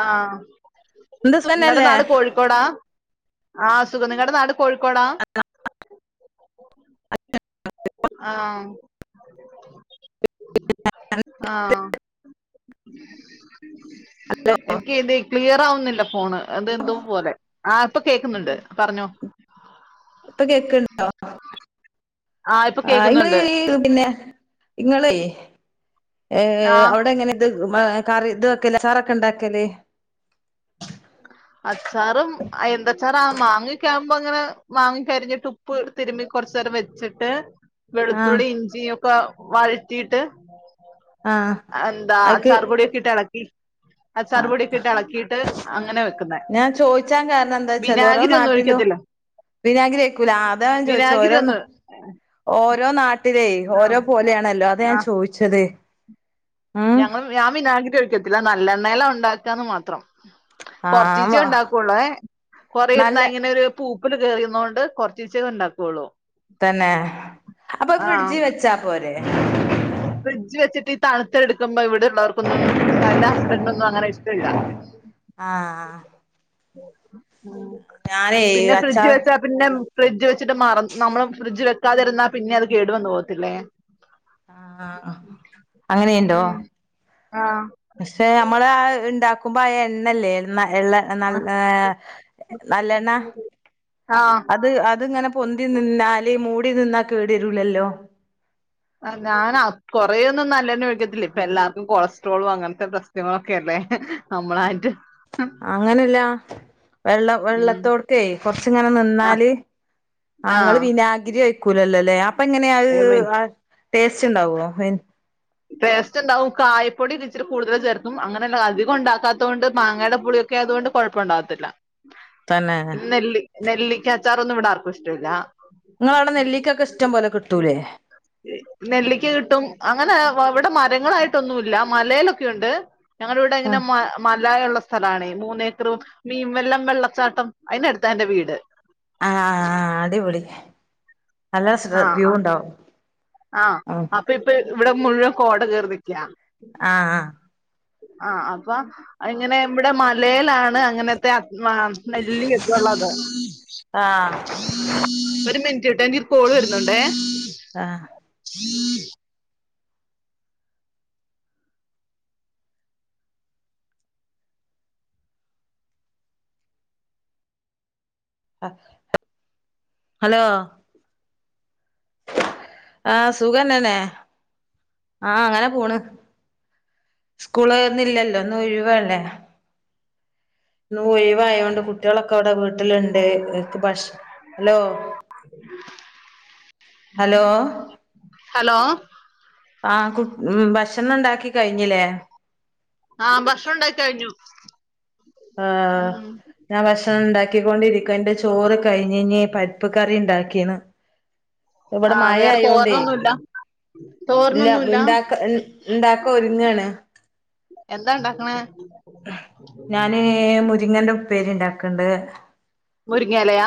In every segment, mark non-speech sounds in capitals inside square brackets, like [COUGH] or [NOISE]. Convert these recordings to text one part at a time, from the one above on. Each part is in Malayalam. ആ ആ എന്താ നിങ്ങടെ സുഖന്നല്ലേ നാട് കോഴിക്കോടാ ആഹ് സുഖം നിങ്ങടെ നാട് കോഴിക്കോടാ ആ ആ എനിക്ക് ഇത് ക്ലിയർ ആവുന്നില്ല ഫോണ് അത് എന്തോ പോലെ ആ ഇപ്പൊ കേക്കുന്നുണ്ട് പറഞ്ഞോ ഇപ്പൊ കേക്ക്ണ്ടോ ആഹ് ഇപ്പൊ ആ കേക്കുന്നുണ്ട് ഇമമ പിന്നെ ഇങ്ങളേ ഏ ആഹ് അവിടെ എങ്ങനെ ഇത് [UNINTELLIGIBLE] കറി ഇത് വെക്കല്ല ചാറ ക്ക ഉണ്ടാക്കല് അച്ചാറും മ്പം ങ്ങനെ വാങ്ങി കരിഞ്ഞിട്ട് ഉപ്പ് തിരുമ്മി കുറച്ച് നേരം വെച്ചിട്ട് ആഹ് വെളുത്തുള്ളി ഇഞ്ചി ഒ ക്കെ വഴറ്റീട്ട് ആഹ് എന്താ അത്ക്ക് അച്ചാരപൊടിയൊ ക്കെ ഇട്ടിളക്കി ആ അച്ചാറുപൊടിയൊക്കെ ഇട്ട് എളക്കിയിട്ട് ഞാൻ ചോയിച്ചാൻ കാരണം എന്താച്ചാല് ഓരോ വിനാഗിരി ഒന്നും നാട്ടിലും ഒഴിക്കത്തില്ല വിനാഗ്രി ഒഴിക്കൂല അതാ ഞാൻ ചോയിച്ചത് വിനാഗിരി ഓരോ ഒന്നും ഓരോ നാട്ടിലേ ഓരോ ആഹ് പോലെയാണല്ലോ അതാ ഞാൻ ചോയിച്ചത് [UNINTELLIGIBLE] ഞങ്ങളും ഞാൻ വിനാഗിരി ഒഴിക്കത്തില്ല നല്ലണ്ണേലാ ഉണ്ടാക്കാന്ന് മാത്രം കൊറച്ചീ ആഹ് ച്ചേ വാ ഉണ്ടാക്കള്ളൂ കൊറേ നല്ല ഇരുന്നാ ഇങ്ങനെ ഒരു പൂപ്പില് കേറിന്നോണ്ട് കൊറച്ചീ ച്ചെത് ഉണ്ടാക്കുള്ളൂ തന്നെ അപ്പ അത് ആഹ് ഫ്രിഡ്ജ് വെച്ചാ പോരെ ഫ്രിഡ്ജ് വച്ചിട്ട് തണുത്തെടുക്കുമ്പോ ഇവി ടള്ളവർക്കൊന്നും ആ ൻ്റെ ഹസ്ബന്റിനൊന്നും അങ്ങനെ ഇഷ് ടല്ല ആഹ് [INAUDIBLE] ഞാനേ പിന്നെ ഫ്രിഡ്ജ് അച്ചാർ വെച്ചാ പിന്നെ ഫ്രിഡ്ജ് വച്ചിട്ട് മറ നമ്മള് ഫ്രിഡ്ജ് വെക്കാതിരിന്നാ പിന്നെ അത് കേടുവന്ന് പോകത്തില്ലേ ആ അങ്ങനീണ്ടോ ഉം ആഹ് പക്ഷെ നമ്മൾ ആ ഉണ്ടാക്കുമ്പോ ആ എണ്ണല്ലേ എണ്ണ എള്ളെ നല്ല നല്ലെണ്ണ ആഹ് അത് അതിങ്ങനെ പൊന്തി നിന്നാല് മൂടി നിന്നാ കേടരൂലല്ലോ ആ ഞാൻ അ കൊറേയൊന്നും നല്ലെണ്ണ ഒഴിക്കത്തില്ല ഇപ്പെ എല്ലാവർക്കും കൊളസ്ട്രോളും അങ്ങനത്തെ പ്രശ്നങ്ങളൊക്കെ അല്ലേ നമ്മളായിട്ട് അങ്ങനല്ല വെള്ള ഉം വെള്ളത്തോടക്കേ കൊറച്ച് ഇങ്ങനെ നിന്നാല് ആ ആഹ് ങ്ങള് വിനാഗിരിയൊഴി ക്കുലല്ലോ ലേ അപ്പം എങ്ങനെയാ അത് ഐ മീൻ ടേസ്റ്റ് ഉണ്ടാവോ ടേസ്റ്റ് ഇണ്ടാവും കായപ്പൊടി ഒരിച്ചിരി കൂടുതല് ചേർക്കും അങ്ങനെന്ന അധികും ഇണ്ടാക്കാത്തോണ്ട് മാങ്ങയുടെ പുളിയൊക്കെ ആയതുകൊണ്ട് കുഴപ്പം ഉണ്ടാവത്തില്ല തന്നെ നെല്ലി നെല്ലി അച്ചാറോന്നും വിടാർക്കും ഇഷ്ടല്ലാ നിങ്ങടവിടെ നെല്ലിക്കൊക്കെ ഇഷ്ടം പോലെ കിട്ടൂലേ നെല്ലിിക്ക കിട്ടും അങ്ങനെ ഇവിടെ മരങ്ങളായിട്ടൊന്നുമല്ല മലയിലൊക്കെുണ്ട് ഞങ്ങളുടെ ഇവിടെ എങ്ങനെ ആഹ് മ മലായ ഉള്ള സ്ഥലണ മൂന്നേഏക്കറും മീൻ വെല്ലം വെള്ളച്ചാട്ടം അതിനന് എടുത്ത എന്റെ വീട് ആഹ് അടിപൊളി നല്ല ശ് വ്യൂ ഉണ്ടാവും ആഹ്ആ ആഹ് അപ്പ ഇപ്പൊ ഇവിടെ മുഴുവൻ കോട കയറി ആഹ് ആഹ്ആ ആഹ്ആ അപ്പ ഇങ്ങനെ ഇവിടെ മലയിലാണ് അങ്ങനത്തെമെല്ലക്കുള്ളത് ആഹ് ചട്ടാീ കോൾ വരുന്നുണ്ടേ ആഹ്ആ ഉംഹ് ഹലോ ആഹ സുഖന്നന്നെ ആഹ അങ്ങനെ പോണ് സ്കൂള്ന്നിതില്ലല്ലോ ഒന്ന് ഒഴവാല്ലേ ഇ ഒഴവയ കൊണ്ട് കുട്ടികളൊക്കെ അവിടെ വീട്ടിലുണ്ട് ഭക്ഷ ഹലോ ഹലോ ഹലോ ആ കു ഉ ഭക്ഷണം ഉണ്ടാക്കി കഴിഞ്ഞില്ലേ ആഹ് ഭക്ഷണം ഉണ്ടാക്ക കഴിഞ്ഞു ആ് ഉം ഞാൻ ഭക്ഷണം ഉണ്ടാക്കിക്കൊണ്ടിരിക്കും എന്റെ ചോറ് കഴിഞ്ഞഞ്ഞ് പരിപ്പ് കറി ഉണ്ടാക്കി ക്കന ആ ഇവിടെ മായ വേറെ ആയോണ്ടേ തോരനൊന്നുല്ല ഇല്ല തോരനൊന്നുല്ല ഉണ്ടാക്ക ഉണ്ടാക്ക ഒരുങ്ങാണ് എന്താ ഉണ്ടാക്കണേ ഞാന് മുരിങ്ങന്റെ പേരുണ്ടാക്കണ്ട് മുരിങ്ങാലയാ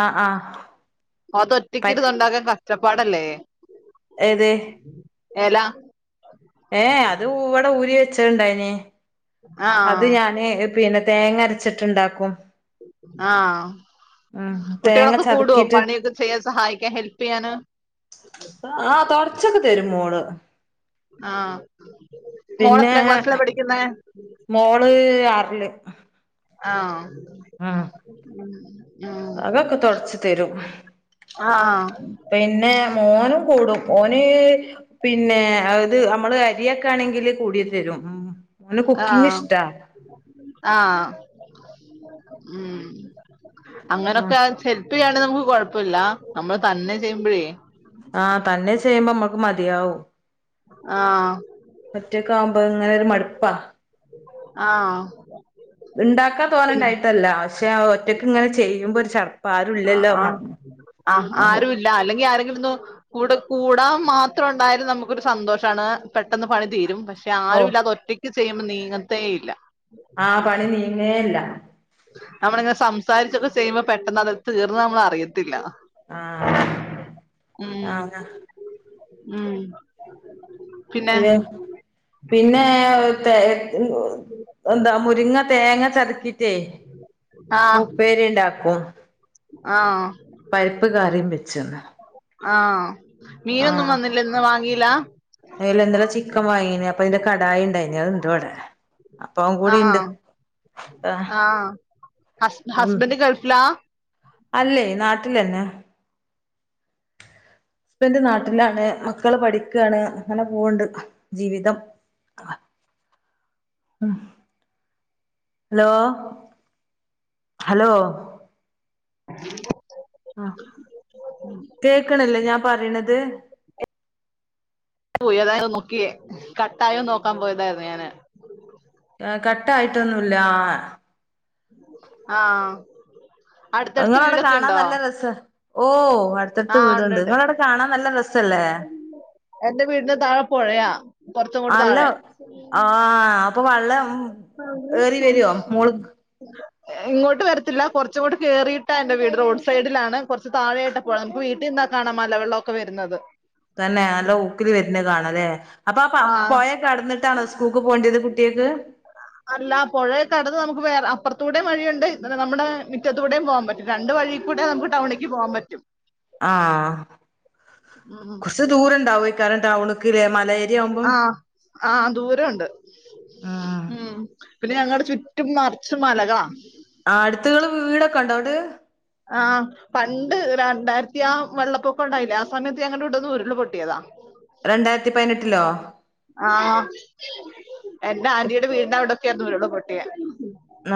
ആഹ ആഹ അത് ഒറ്റക്കി ഇത് ഉണ്ടാക്കാൻ കഷ്ട പാടല്ലേ ഏതെ എലാ ഏ അത് ഇവിടെ ഊരി വെച്ച ഇച്ച ഉണ്ടായിന ആ അത് ഞാന് പിന്നെ തേങ്ങ രച്ചിട്ടുണ്ടാക്കും ആഹ തേങ്ങ കുട്ടികളൊക്കെ കൂടുവോ ചതക്കിട്ട് പണിയൊക്കെ ചെയ്യാൻ സഹായിക്കാൻ ഹെൽപ് ചെയ്യാന് തൊടച്ചൊക്കെ തരും മോള് ആ ആ മോള് പിന്നെ എത്രാം ക്ലാസ്സിലാ പഠിക്കുന്നേ മോള് ആറില് ആ ആ ഉം അകവൊക്കെ തുടച്ച് തരും ആ പിന്നെ മോനും കൂടും ഓന് പിന്നെ അത് നമ്മള് അരിയൊക്കെ ആണെങ്കിൽ കൂടി തരും ഉം ഓന് കുക്കിങ് ആഹ് ഇഷ്ടാ ആഹ് ഉം ആ അങ്ങനൊക്കെ അനുസരി ഇപ്പെയാണ് നമുക്ക് കൊഴപ്പോല്ല നമ്മള് തന്നെ ചെയ്യുമ്പഴേ ആഹ് തന്നെ ചെയ്യുമ്പോ അമ്മക്ക് മതിയാവും ആഹ് ഒറ്റക്ക് ആവുമ്പോ ഇങ്ങനെ ഒരു മടുപ്പാ ആഹ് ഇണ്ടാക്കാൻ പിന്നെ തോനണ്ടായിട്ടല്ല ത് [UNINTELLIGIBLE] ഒറ്റക്ക് ഇങ്ങനെ ചെയ്യുമ്പോ ഒരു ചപ്പാ ആരും ഇല്ലല്ലോ അമ്മ ആഹ് ആഹ് ആരുല്ല അല്ലെങ്കി ആരെങ്കിലൊന്ന് കൂടെ കൂടാൻ മാത്രം ഉണ്ടായാലും നമുക്കൊരു സന്തോഷമാണ് പെട്ടെന്ന് പണി തീരും പക്ഷെ പക്ഷെ ഓ ആരുല്ലാതെ ഒറ്റക്ക് ചെയ്യുമ്പോൾ നീ അനങ്ങത്തേ ഇല്ല ആഹ് പണി നീങ്ങേല്ല നമ്മളിങ്ങനെ സംസാരിച്ചൊക്കെ ചെയ്യുമ്പോ പെട്ടെന്ന് അത് തീർന്നാ നമ്മൾ അറിയത്തില്ല ആഹ് ഉം ആഹ് ഉം പിന്നെ പി പിന്നെ എന്താ മുരിങ്ങ തേങ്ങ ചതക്ക [UNINTELLIGIBLE] ആഹ് ഉപ്പേരി ഉണ്ടാക്കും ആഹ് പരിപ്പ് കറിയും വെച്ചന്ന് ആഹ് മീനൊന്നും വന്നില്ല ഇന്ന് വാങ്ങി [UNINTELLIGIBLE] അയല്ല ഇന്നലെ ചിക്കൻ വാങ്ങിന ഇപ്പൊ അയ്‌ന്റെകടായി ഉണ്ടായിനി അത് ഉണ്ട് ഇവിടെ അപ്പൊ അതും ആഹ് കൂടിണ്ട് ആഹ് ഹസ് ഉം ഹസ്ബൻഡ് ഗൾഫിലാ അല്ലേ നാട്ടിലന്നെ ഹസ്ബെൻറ് നാട്ടിലാണ് മക്കള് പഠിക്കുകയാണ് അങ്ങനെ പോവുണ്ട് ജീവിതം ഹലോ ഹലോ [UNINTELLIGIBLE] ആ കേക്കണില്ലേ ഞാൻ പറയണത് പോയതോ ന്നു നോക്കിയേ കട്ടായൊന്നു നോക്കാൻ പോയതായിരുന്നു ഞാന് ആ [UNINTELLIGIBLE] കട്ടയിട്ടൊന്നുല്ല ആഹ നിങ്ങൾവിടെ കാണാൻ നല്ല രസാ ഓ അടുത്തടുത്ത് ആഹ് വീടുണ്ട് ഉണ്ട്ണ്ട് നിങ്ങള അവിടെ കാണാൻ നല്ല രസല്ലേ എന്റെ വീടിന് താഴെ പുഴയാ കൊറച്ചും കൂടെ നല്ല താഴെ ആഹ അപ്പൊ വെള്ളം ഏറി വരുവോ മോള് ഇങ്ങോട്ട് വരത്തില്ല കുറച്ച് കൂടി കേയറിയിട്ടാ എൻ്റെ വീട് റോഡ് സൈഡിലാണ് കുറച്ച് താഴെയായിട്ട വീട്ടിൽനിന്നാൽ കാണാം മലവെള്ളമൊക്കെ വരുന്നത് തന്നെ നല്ല ഊക്കില് വരുന്ന കാണല്ലെ അപ്പൊ ആ ആഹ് പോയ കടന്നിട്ടാണോ സ്കൂൾക്ക് പോണ്ടേത് കു ട്ടിയാൾക്ക് മത്തൂടെ വഴിയുണ്ട് നമ്മുടെ മുറ്റത്തൂടെയും പോവാൻ പറ്റും രണ്ട് വഴി കൂടെ നമുക്ക് ടൗണിലക്ക് പോവാൻ പറ്റും ആഹ ഉം കുറച്ച് ദൂരംണ്ടാവെക്കാരം ടൗൺ മലയിൽ ആഹ് ആഹ് ദൂരംണ്ട് ഉം ഉ പിന്നെ ഞങ്ങളടെ ചുറ്റും നിറച്ചും മലകളാ ആ അടുത്തുകള് വീടൊക്കെ ഉണ്ടോ ന്നട്ട് ആ് പണ്ട് രണ്ടായിരത്തി ആ വെള്ളപ്പൊക്കം ഉണ്ടായില്ലേ ആ സമയത്ത് ഞങ്ങുടെ ഇീടോന്ന് ഉരുള് പൊട്ടിയതാ രണ്ടായിരത്തി പതിനെട്ടിലോ ആഹ് എന്റെ ആന്റീടെ വീടിന അവിടെ ദൂരോള്ളു ഉരുൾ പൊട്ടിയെ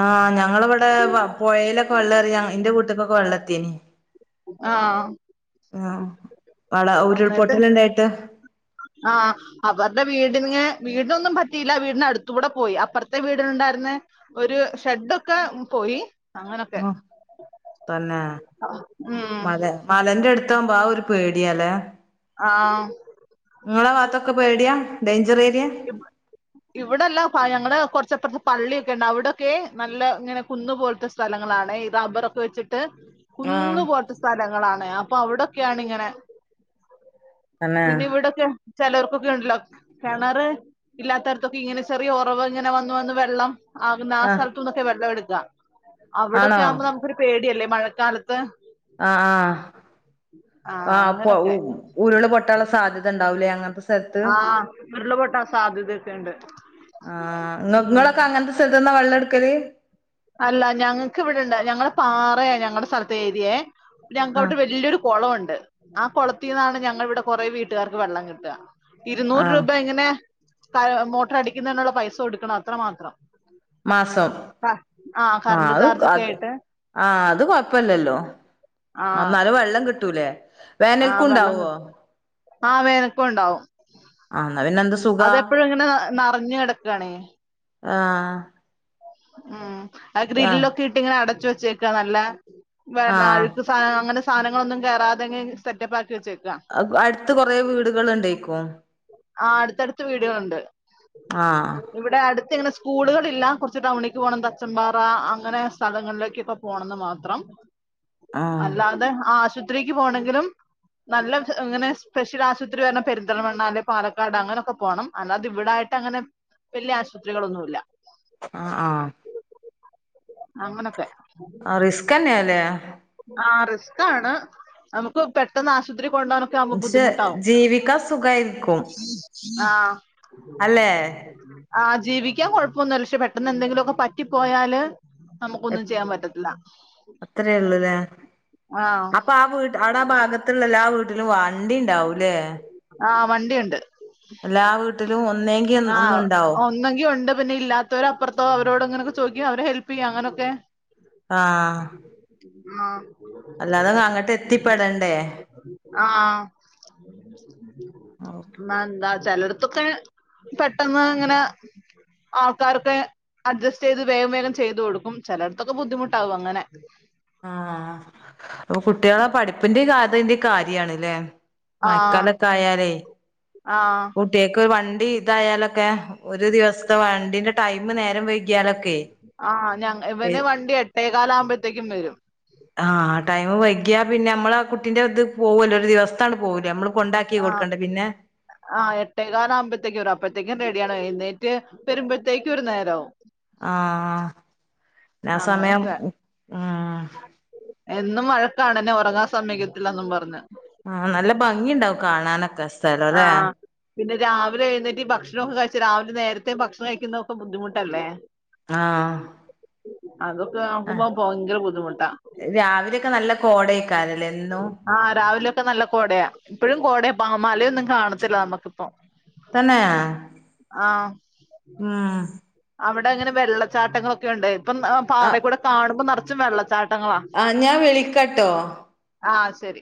ആ ഞങ്ങളിവിടെ വെള്ളത്തിന്‌ ആഹ ആഹ എന്നിട്ട് ആഹ അവരുടെ വീട് നി വീടിനൊന്നും പറ്റിയില്ല വീടിന്റെ അടുത്ത് കൂടെ പോയി അപ്പുറത്തെ വീടിനുണ്ടായിരുന്ന ഒരു ഷെഡൊക്കെ പോയി അങ്ങനൊക്കെ ആ തന്നെ ഉം മല മലന്റെ അടുത്ത് അടുത്താവുമ്പോ ആ ഒരു പേടിയല്ലെ ആഹ് നിങ്ങളെ ആ ഭാഗത്തൊക്കെ പേടിയാ ഡേഞ്റേറ്റ് ഇവിടെല്ല ഞങ്ങള് കൊറച്ചപ്പ പള്ളിയൊക്കെ ഉണ്ട് അവിടൊക്കെ നല്ല ഇങ്ങനെ കന്ന് പോലത്തെ സ്ഥലങ്ങളാണ് ഈ റബ്ബറൊക്കെ വെച്ചിട്ട് ആ കുന്ന് പോലത്തെ സ്ഥലങ്ങളാണ് അപ്പൊ അവിടൊക്കെയാണ്ങ്ങനെ തന്നെ പിന്നെ ഇവിടൊക്കെ ചിലർക്കൊക്കെ ഉണ്ടല്ലോ കാണാറ് ഇല്ലാത്തരത്തൊക്കെ ഇങ്ങനെ ചെറിയ ഉറവ് ഇങ്ങനെ വന്ന വന്ന് വെള്ളം ആകുന്ന ആ സ്ഥലത്ത നിന്നൊക്കെ വെള്ളംെടു വ അവിടൊക്കെ ആണോ ആവുമ്പോ നമുക്കൊരു പേടിയല്ലേ മഴക്കാലത്ത് ആ ആ ആഹ ആ് അങ്ങനൊക്കെ ഉരുൾ പൊട്ടാനുള്ള സാധ്യത ഉണ്ടാവൂലേ അങ്ങനത്തെ സ്ഥലത്ത് ആഹ ഉരുളപൊട്ടാ സാധ്യതൊക്കെണ്ട് ക്ക അല്ല ഞങ്ങക്ക് ഇവിടെണ്ട് ഞങ്ങളുടെ പാറയെ ഞങ്ങളടെ സ്ഥലത്ത് ഏരിയെ പിന്നെ ഞങ്ങക്ക് ആഹ് അവിടെ വലിയരു കുളംണ്ട് ആ കൊളത്തിന്നാണ് ഞങ്ങിവിടെ കൊറെേ വീട്ടുകാർക്ക് വെള്ളം കിട്ടുക ഇരുന്നൂറ് ആഹ് രൂപ എങ്ങനെ മോട്ടർ അടിക്കുന്നതിനുള്ള പൈസ കൊടുക്കണം അത്ര മാത്രം മാസം ആ കറണ്ട് അത് ചാർജ് ഒക്കെ അത് ആയിട്ട് ആഹ അത് കൊഴപ്പല്ലല്ലോ എന്നാലും വെള്ളം കിട്ടൂലേ ആഹ വേനൽക്കും വെള്ളം ഉണ്ടാവോ കട്ടി ആ വേനക്ക ഉണ്ടാവും ആഹ അതെപ്പോഴും ഇങ്ങനെ നിറഞ്ഞ കിടക്കയാണേ ആഹ ഉം ആ ഗ്രില്ലിൽക്കെ ഇട്ട് ഇങ്ങന അടച്ച വെ ചച്ചക്കാ നല്ല വെള്ള ആഹ് അഴുക്ക് സാധന അങ്ങനെ സാധങ്ങളന്നും കേറാതെ സെറ്റപ്പ് വെച്ചേക്കാ അടുത്ത് കൊറെ വീടുകൾ ഉണ്ടക്കോ ആ അടുത്തടുത്ത് വീടുകളുണ്ട് ആഹ് ഇവിടെ അടുത്ത് ഇങ്ങനെ സ്കൂളുകളൾില്ല കുറച്ച് ടൗണിക്ക് പോകണം തച്ചൻമ്പാറ അങ്ങനെ സ്ഥലങ്ങളിലേക്കൊക്കെ പോണംന്ന് മാത്രം ആഹ് അല്ലാ അതെ ആഹ അശുദ്ധ ആശുപത്രിക്ക് പോണെങ്കിലും നല്ല ങ്ങനെ സ്പെഷ്യൽ ആശുപത്രി പറഞ്ഞാ പെരിന്തൽമണ്ണ. പാലക്കാട് അങ്ങനൊക്കെ പോകണം അല്ലാത ഇവിടായിട്ട് അങ്ങനെ വല്ല്യ ആശുപത്രികളൊന്നുമല്ല. അ ആ അങ്ങനെത്തെ ആഹ് റിസ്കന്നെല്ലേ ആ റിസ്കാണ് നമുക്ക് പെട്ടെന്ന് ആശു ഒത്തിരി കൊണ്ടാനൊക്കെ ആവുമ്പ പക്ഷെ ബുദ്ധിമുട്ടാവും ജീവിക്കാൻ സുഖായിരിക്കും ആ അല്ലെ ആ ജീവി ജീവിക്കാൻ കുഴപ്പൊന്നുമല്ല പക്ഷെ പെട്ടെന്ന് എന്തെങ്കിലുമൊക്കെ പറ്റി പോയാല്. നമുക്കൊന്നും ചെയ്യാൻ പറ്റത്തില്ല. എത്രേള്ളൂല്ലേ ആ അപ്പൊ ആ വീട്ട ആടാ ഭാഗത്ത്ള്ളല്ല എല്ലാ വീട്ട [UNINTELLIGIBLE] വണ്ടി ണ്ടാവുലേ ആ വണ്ടിയ്ണ്ട്. വീട്ടിലും ഒന്നേങ്കി ആ ഒന്നുണ്ടാവും ഒന്നെങ്കി ഉണ്ട് പിന്നെ ഇല്ലാത്തവര അപ്പുറത്തോ അവരോട്ങ്ങനെ ചോയ്ക്കും അവരെ ഹെൽപ് യ്യും അങ്ങനൊക്കെ ആ ആ അല്ലാതെ അങ്ങട്ട് എത്തിപ്പെടണ്ടേ ആഹ് [UNINTELLIGIBLE] ന്താ ചിലടത്തൊക്കെ പെട്ടന്ന് ങ്ങനെ ആൾക്കാരൊക്കെ അഡ്ജസ്റ്റ് ചെയ്ത് വേഗം വേഗം ചെയ്ത് കൊടുക്കും ചിലടത്തൊക്കെ ബുദ്ധിമുട്ടാവും അങ്ങനെ. ആ അപ്പൊ കുട്ടികളെ പഠിപ്പിന്റെ [INAUDIBLE] കാര്യാണ് ലെ ആഹ് മയക്കാലൊക്കെ ആയാലേ ആഹ് കുട്ടിയക്ക് വൺ ണ്ടി ഇതായാലൊക്കെ ഒരു ദിവസത്തെ വണ്ടിന്റെ ടൈം നേരം വൈ ആ ഞ ഇവന് വണ്ടി എട്ടേക്കാല ആകുമ്പോഴത്തേക്കും വരും. ആ ടൈമ് വൈകിയാ പിന്നെ നമ്മള ആ കുട്ടിന്റെ ഇത് പോവല്ലോ ഒരു ദിവസത്താണ് പോവുലേ നമ്മള് കൊണ്ടാക്കി കൊടുക്കണ്ടേ പിന്നെ ആ എട്ടേക്കാൽ ആവുമ്പയത്തേക്കും അപ്പത്തേക്കും റെഡിയാണ് എഴുന്നേ റ്റ് വരുമ്പോഴത്തേക്ക് ഒരു നേരാവും ആ നാ സമയം ഏ ന്നും വഴക്കാണ് എന്നെ ഒറങ്ങാൻ സമ്മതിക്കത്തില്ലന്നും പറഞ്ഞ്. ആ നല്ല ഭംഗിണ്ടാവും കാണാനൊക്കെ സ്ഥലല്ലേ ആഹ് പിന്നെ രാവിലെ എഴുന്നേറ്റ് ഭക്ഷണമൊക്കെ കഴിച്ചു രാവിലെ നേരത്തെ ഭക്ഷണം കഴിക്കുന്നതൊക്കെ ബുദ്ധിമുട്ടല്ലേ ആ അതൊക്കെ നോക്കുമ്പോ ഭയങ്കര ബുദ്ധിമുട്ടാ രാവിലെയൊക്കെ നല്ല കോടേക്കാരല്ലേ എന്നും ആ രാവിലെയൊക്കെ നല്ല കോടയാ ഇപ്പഴും കോടയാ പാ മലയൊന്നും കാണത്തില്ല നമ്മക്കിപ്പം തന്നെയാ ഊം അവിടെങ്ങനെ വെള്ളച്ചാട്ടങ്ങളൊക്കെ ഉണ്ടായി ഇപ്പം പാതേ കൂടെ കാണുമ്പം നടക്ക ച്ചും വെള്ളചാട് ആ ഞാൻ വിളിക്കട്ടോ ആഹ് ശരി